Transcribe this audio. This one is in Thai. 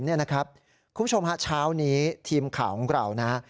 คุณผู้ชมชาวนี้ทีมข่าวของเรา